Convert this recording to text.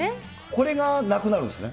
これがなくなるんですね。